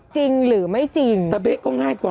จริงหรือไม่จริง